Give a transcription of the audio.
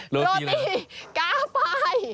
โรตี้กาปาย